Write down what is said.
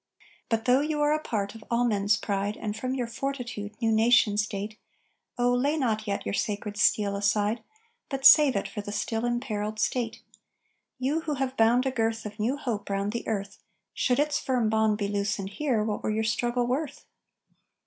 But, though you are a part of all men's pride, And from your fortitude new nations date, Oh, lay not yet your sacred steel aside, But save it for the still imperiled State. You who have bound a girth Of new hope round the Earth, Should its firm bond be loosened here, what were your struggle worth?